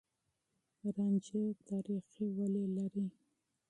رانجه تاريخي ريښې لري.